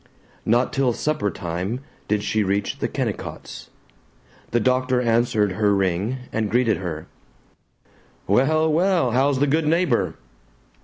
Not till suppertime did she reach the Kennicotts. The doctor answered her ring, and greeted her, "Well, well? how's the good neighbor?"